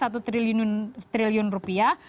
satu triliun rupiah